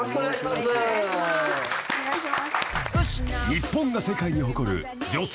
［日本が世界に誇る女性］